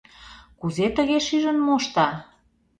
Кузе тыге шижын мошта?